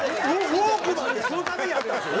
ウォークマンってそのためにあったんですよ。